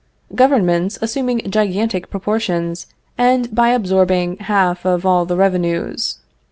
Governments assuming gigantic proportions end by absorbing half of all the revenues.